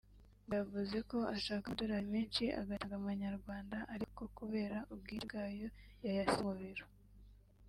ngo yavuze ko ashaka amadolari menshi agatanga amanyarwanda ariko ko kubera ubwinshi bwayo yayasize mu biro